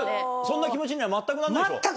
そんな気持ちには全くなんないでしょ？